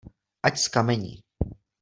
Ať zkamení!